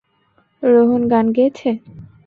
রোহন গান গেয়েছে?